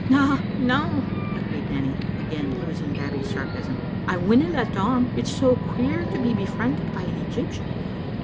"Na, na," agreed Nanny, again losing Babbie's sar casm. " I winna let on. It's so queer to be befriended by an Egyptian.